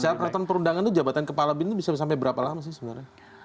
secara peraturan perundangan itu jabatan kepala bin itu bisa sampai berapa lama sih sebenarnya